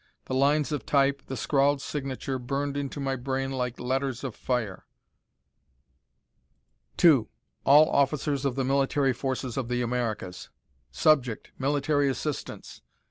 The lines of type, the scrawled signature, burned into my brain like letters of fire. "To: All Officers of the Military Forces of the Americas. Subject: Military Assistance.